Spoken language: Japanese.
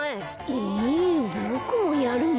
えボクもやるの？